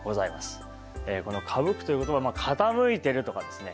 この「傾く」という言葉傾いてるとかですね